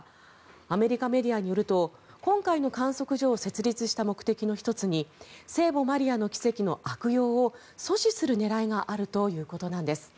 アメリカメディアによると今回の観測所を設立した目的の１つに聖母マリアの奇跡の悪用を阻止する狙いがあるということです。